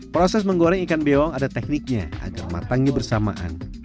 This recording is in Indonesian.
proses menggoreng ikan beong ada tekniknya agar matangnya bersamaan